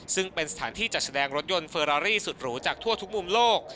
ซึ่งเป็นสถานที่จัดแสดงรถยนต์เฟอรารี่สุดหรูจากทั่วทุกมุมโลก